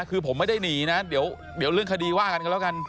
คือผมไม่ได้หนีนะเดี๋ยวเรื่องคดีว่ากันกันแล้วกัน